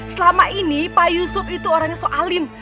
selama ini pak yusuf itu orangnya soalim